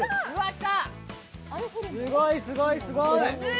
来た、すごいすごいすごい。